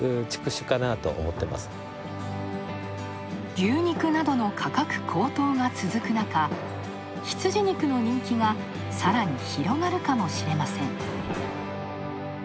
牛肉などの価格高騰が続く中、羊肉の人気がさらに広まるかもしれません。